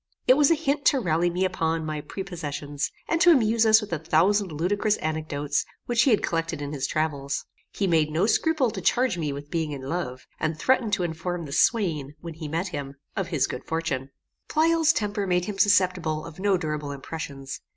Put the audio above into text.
It was a hint to rally me upon my prepossessions, and to amuse us with a thousand ludicrous anecdotes which he had collected in his travels. He made no scruple to charge me with being in love; and threatened to inform the swain, when he met him, of his good fortune. Pleyel's temper made him susceptible of no durable impressions.